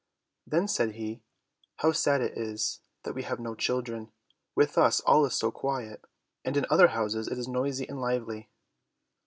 Then said he, "How sad it is that we have no children! With us all is so quiet, and in other houses it is noisy and lively."